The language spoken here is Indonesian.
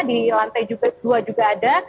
di lantai dua juga ada